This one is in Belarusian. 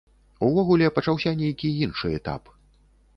Увогуле, пачаўся нейкі іншы этап.